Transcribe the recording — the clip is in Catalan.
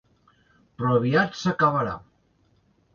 Però aviat s'acabarà.